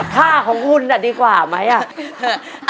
ค่าของคุณดีกว่าไหมอ่ะ